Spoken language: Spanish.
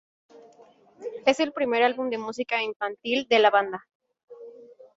Es el primer álbum de música infantil de la banda.